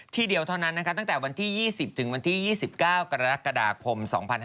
เดียวเท่านั้นตั้งแต่วันที่๒๐ถึงวันที่๒๙กรกฎาคม๒๕๕๙